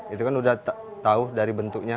itu kan udah tahu dari bentuknya